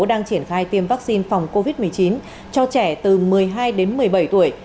đang triển khai tiêm vaccine phòng covid một mươi chín cho trẻ từ một mươi hai đến một mươi bảy tuổi